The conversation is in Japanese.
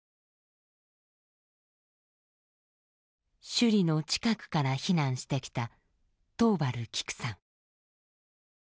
首里の近くから避難してきた桃原キクさん。